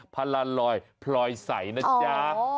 พลานลอยพลอยใสนะจ๊ะ